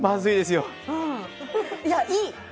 いや、いい！